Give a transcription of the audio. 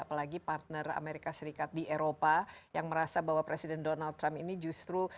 apalagi partner amerika serikat di eropa yang merasa bahwa presiden donald trump ini justru